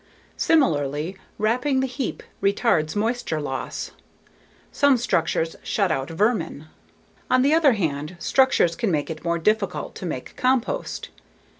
Similarly, wrapping the heap retards moisture loss. Some structures shut out vermin. On the other hand, structures can make it more difficult to make compost.